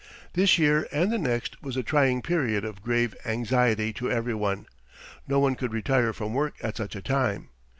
This year and the next was a trying period of grave anxiety to everyone. No one could retire from work at such a time.